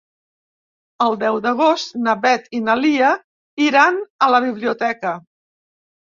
El deu d'agost na Beth i na Lia iran a la biblioteca.